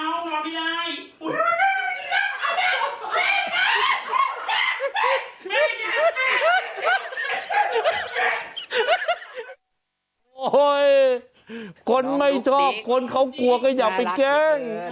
โอ้โหคนไม่ชอบคนเขากลัวก็อย่าไปแกล้ง